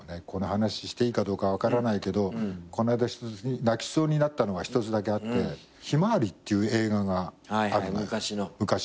この話していいかどうか分からないけどこの間泣きそうになったのが一つだけあって『ひまわり』っていう映画があるのよ。